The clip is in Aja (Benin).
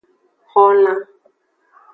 Xolan.